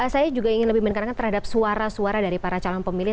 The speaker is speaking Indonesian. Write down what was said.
saya juga ingin lebih menekankan terhadap suara suara dari para calon pemilih